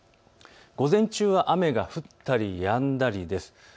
午前中は雨が降ったりやんだりです。